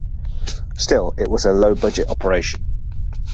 Still it was a low budget operation.